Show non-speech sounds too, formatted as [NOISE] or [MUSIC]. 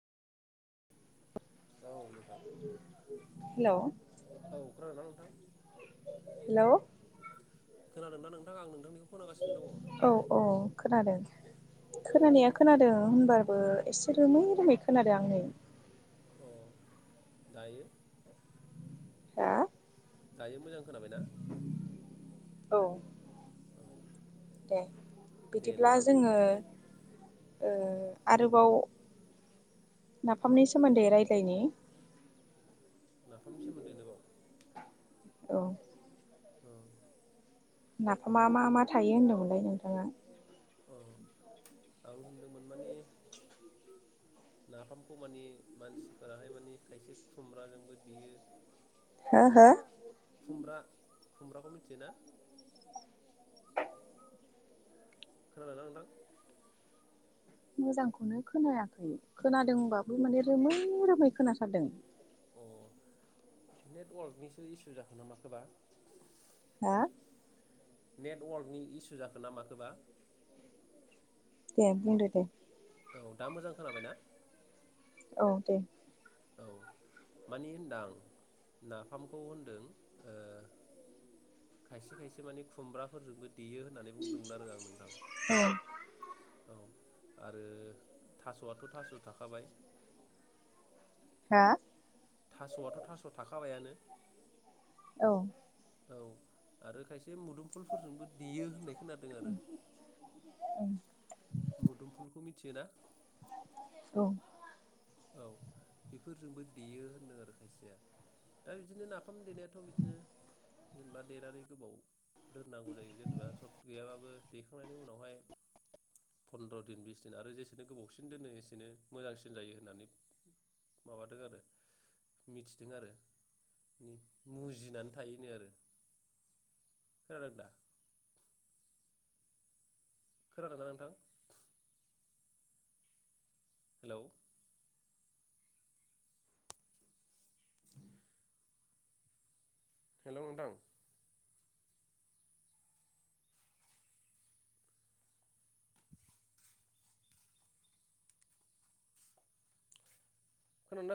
औ नोंथां हेलौ औ खोनादों ना नोंथां? हेलौ खोनादों ना नोंथां आं नोंथांनिखौ खोनागासिनो दङ। औ औ खोनादों औ खोनानाया खोनादों होनबा ओ एसे रोमै रोमै खोनादों आं नै अ दायो। हा। दायो मोजां खोनाबायना? औ औ दे दे बिदिब्ला नोंथां जोङो ओ आरोबाव नाफामनि सोमोन्दै रायज्लायनि नाफामनि सोमोन्दैनो बाव औ औ नाफामा मा मा थायो होन्दोंमोनलाय नोंथाङा? अ आं होनदोंमोन माने नाफामखौ मानि मानसिफोराहाय माने खायसे खुमब्राजोंबो देयो हो हो खुमब्रा खुमब्राखौ मिथियोना खोनादोंना नोंथां मोजांखौनो खोनायाखै खोनादोंबाबो माने रोमै रोमै खोनाथारदों अ नेटवर्कनिसो इसु जाखो ना माखोबा हा नेटवर्कनि इसु जाखो ना माखोबा? दे बुंदो दे औ दा मोजां खोनाबायना? औ दे औ मानि होनदां नाफामखौ होनदों ओ खायसे खायसे माने खुमब्राफोरजोंबो देयो होननानै बुंदोंमोन आरो आं नोंथां औ औ आरो थास'आथ' थास' थाखाबाय हा थास'आथ' थास' थाखाबायानो औ औ आरो खायसे बे मोदोमफुलफोरजोंबो देयो होननाय खोनादों आरो औ मुदुमफुलखौ मिथियोना [INAUDIBLE] औ बेफोरजोंबो देयो होनदों आरो खायसेया दा बिदिनो नाफाम देनायाथ' बिदिनो जेनेबा देरनानै गोबाव दोननांगौ जायो जेनेबा सफ गैयाबाबो देखांनायनि उनावहाय फन्द्र' दिन बिस दिन आरो जेसेनो गोबावसिन दोनो एसेनो मोजांसिन जायो। होननानै माबादों आरो मिथिदों आरो मुजिनानै थाहो आरो खोनादों दा खोनादोंना नोंथां हेलौ [INAUDIBLE] हेल' नोंथां खोनादोंना